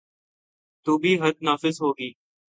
تو بھی حد نافذ ہو گی۔